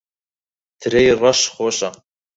ترێی ڕەش خۆشە.